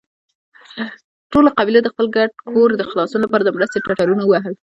ټولو قبيلو د خپل ګډ کور د خلاصون له پاره د مرستې ټټرونه ووهل.